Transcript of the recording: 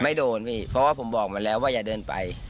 ไม่โดนพี่เพราะว่าผมบอกมาแล้วว่าอย่าเดินไป